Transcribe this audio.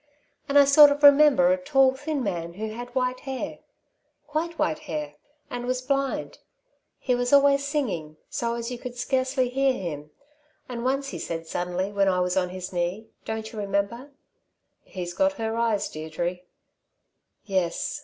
And I sort of remember a tall, thin man who had white hair quite white hair, and was blind; he was always singing, so as you could scarcely hear him, and once he said suddenly when I was on his knee, don't you remember: 'He's got her eyes, Deirdre?'" "Yes."